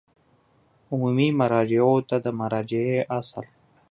عمومي مراجعو ته د مراجعې اصل